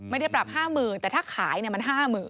ไม่ได้ปรับ๕๐๐๐แต่ถ้าขายมัน๕๐๐๐